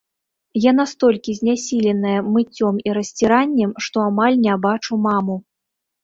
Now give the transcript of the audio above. Я настолькі знясіленая мыццём і расціраннем, што амаль не бачу маму.